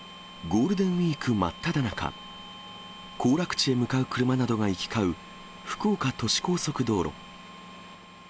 ゴールデンウィーク真っただ中、行楽地へ向かう車などが行き交う福岡都市高速道路。